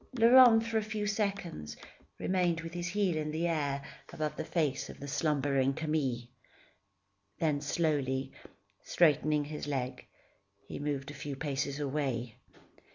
Laurent, for a few seconds, remained with his heel in the air, above the face of the slumbering Camille. Then slowly, straightening his leg, he moved a few paces away.